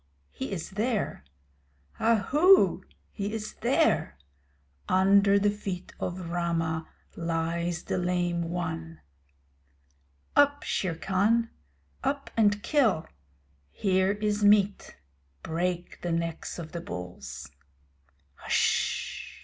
_ he is there. Ahoo! he is there. Under the feet of Rama lies the Lame One! Up, Shere Khan! Up and kill! Here is meat; break the necks of the bulls. Hsh!